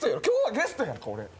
今日はゲストやんか俺。